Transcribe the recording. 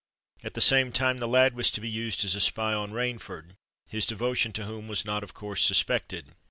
At the same time the lad was to be used as a spy on Rainford, his devotion to whom was not of course suspected.